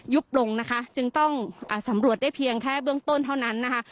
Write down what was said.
บลงนะคะจึงต้องสำรวจได้เพียงแค่เบื้องต้นเท่านั้นนะคะ